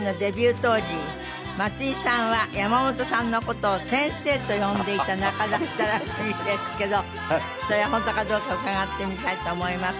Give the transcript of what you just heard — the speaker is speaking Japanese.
当時松居さんは山本さんの事を先生と呼んでいた仲だったらしいですけどそれは本当かどうか伺ってみたいと思います。